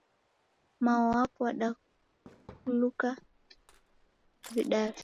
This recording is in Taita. Mao wapo wadaluka vidasi.